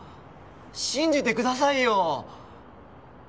信じてくださいよ！